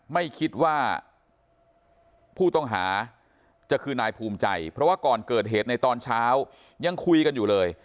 ไม่คิดว่าผู้ต้องหาจะคือนายภูมิใจเพราะว่าก่อนเกิดเหตุในตอนเช้ายังคุยกันอยู่เลย